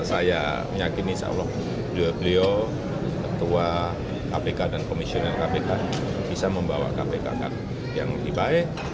saya meyakini insya allah beliau ketua kpk dan komisioner kpk bisa membawa kpk yang lebih baik